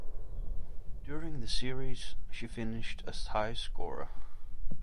During the series she finished as highest scorer.